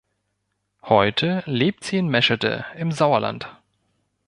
Heute lebt sie in Meschede im Sauerland.